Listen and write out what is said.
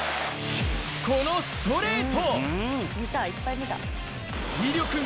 このストレート。